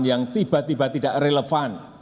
yang tiba tiba tidak relevan